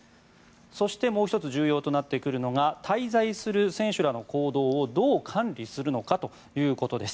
そして、もう１つ重要となってくるのが滞在する選手らの行動をどう管理するのかということです。